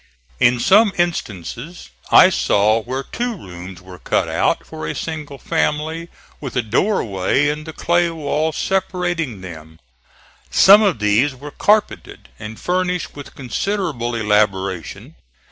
In some instances I saw where two rooms were cut out, for a single family, with a door way in the clay wall separating them. Some of these were carpeted and furnished with considerable elaboration.